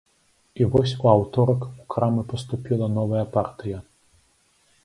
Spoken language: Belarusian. І вось у аўторак у крамы паступіла новая партыя.